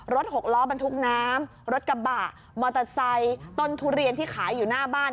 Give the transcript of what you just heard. หกล้อบรรทุกน้ำรถกระบะมอเตอร์ไซค์ต้นทุเรียนที่ขายอยู่หน้าบ้าน